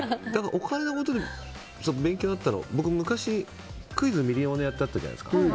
お金のことで勉強になったのは僕、昔「クイズ＄ミリオネア」ってあったじゃないですか。